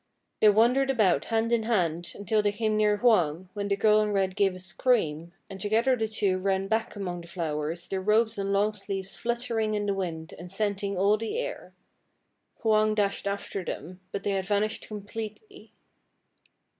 They wandered about hand in hand until they came near Hwang, when the girl in red gave a scream, and together the two ran back among the flowers, their robes and long sleeves fluttering in the wind and scenting all the air. Hwang dashed after them, but they had vanished completely.